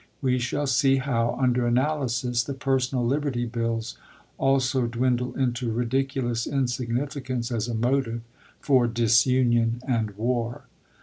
We shall see how, under analysis, the Personal Liberty Bills also dwindle into ridiculous insignificance as a motive for dis union and war.